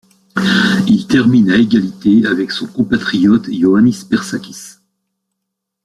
Il termine à égalité avec son compatriote Ioánnis Persákis.